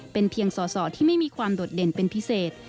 เป็นเพียงสอสอที่ไม่มีความโดดเด่นเป็นพิเศษ